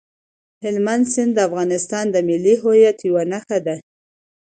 هلمند سیند د افغانستان د ملي هویت یوه نښه ده.